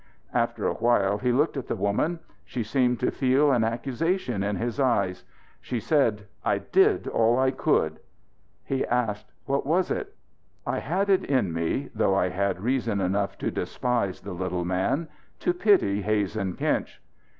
After a while he looked at the woman. She seemed to feel an accusation in his eyes. She said: "I did all I could." He asked "What was it?" I had it in me though I had reason enough to despise the little man to pity Hazen Kinch.